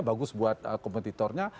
bagus buat kompetitornya